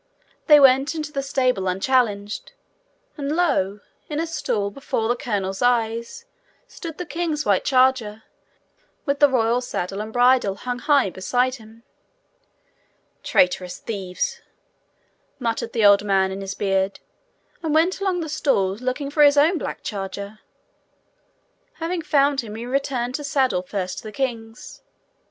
They went into the stable unchallenged and lo! in a stall, before the colonel's eyes, stood the king's white charger, with the royal saddle and bridle hung high beside him! 'Traitorous thieves!' muttered the old man in his beard, and went along the stalls, looking for his own black charger. Having found him, he returned to saddle first the king's.